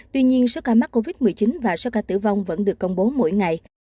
tuy nhiên số ca mắc covid một mươi chín và số ca tử vong vẫn được công bố mỗi ngày